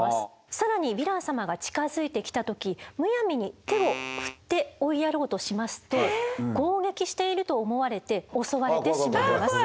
更にヴィラン様が近づいてきた時むやみに手を振って追いやろうとしますと攻撃していると思われて襲われてしまいます。